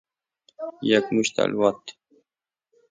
یک مشت الواط